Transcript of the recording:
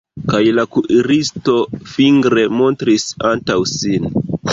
Kaj la kuiristo fingre montris antaŭ sin.